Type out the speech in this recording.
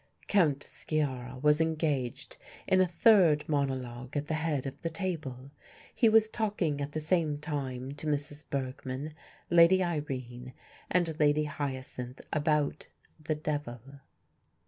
Count Sciarra was engaged in a third monologue at the head of the table. He was talking at the same time to Mrs. Bergmann, Lady Irene, and Lady Hyacinth about the devil.